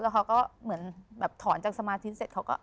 เขาก็เหมือนแบบถอนจากสมาธิเสร็จเขาก็